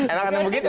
enak karena begitu